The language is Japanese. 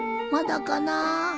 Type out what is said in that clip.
まだかなー。